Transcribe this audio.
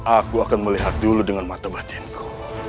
aku akan melihat dulu dengan mata batinku